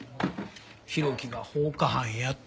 浩喜が放火犯やって。